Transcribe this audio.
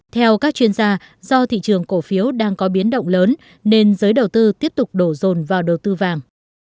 theo các chuyên gia do thị trường cổ phiếu đang có biến động lớn nên giới đầu tư tiếp tục đổ rồn vào đầu tư vàng